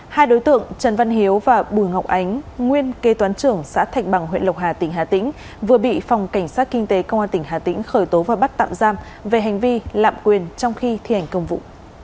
hai đối tượng trần văn hiếu và bùi ngọc ánh nguyên kê toán trưởng xã thạch bằng huyện lộc hà tỉnh hà tĩnh vừa bị phòng cảnh sát kinh tế công an tỉnh hà tĩnh khởi tố và bắt tạm giam về hành vi lạm quyền trong khi thi hành công vụ